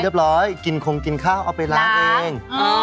เรียบร้อยกินคงกินข้าวเอาไปล้างเอง